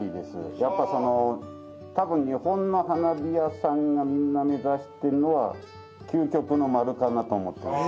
やっぱり多分日本の花火屋さんがみんな目指してるのは究極の丸かなと思ってます。